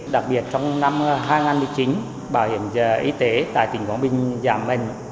đặc biệt trong năm hai nghìn một mươi chín bảo hiểm y tế tại tỉnh quảng bình giảm mệnh